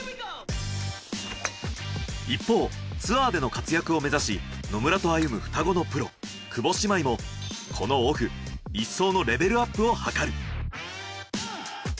一方ツアーでの活躍を目指し野村と歩む双子のプロ久保姉妹もこのオフ一層のレベルアップを図る。